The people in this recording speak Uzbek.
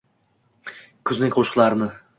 Kuzning qo‘shiqlarini –